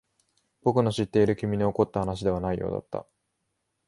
僕の知っている君に起こった話ではないようだった。